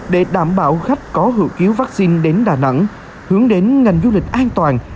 để đảm bảo khách có hữu cứu vaccine đến đà nẵng hướng đến ngành du lịch an toàn